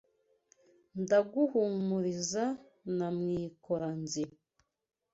Ndaguhumuriza na Mwikora-nzira